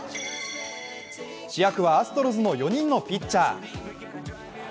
主役はアストロズの４人のピッチャー。